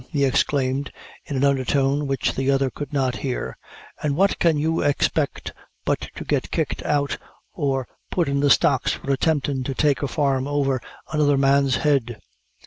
he exclaimed in an under tone which the other could not hear): "an' what can you expect but to get kicked out or put in' the stocks for attemptin' to take a farm over another man's head."